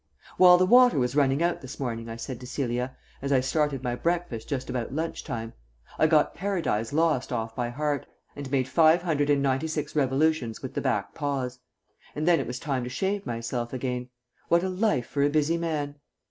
"While the water was running out this morning," I said to Celia, as I started my breakfast just about lunch time, "I got Paradise Lost off by heart, and made five hundred and ninety six revolutions with the back paws. And then it was time to shave myself again. What a life for a busy man!"